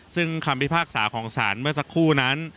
ซึ่งคำพิพากษาของศาลเมื่อสักครู่นั้น